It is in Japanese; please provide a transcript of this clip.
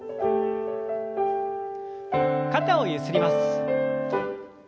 肩をゆすります。